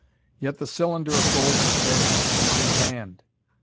Yet the cylinder of gold was there, in his hand.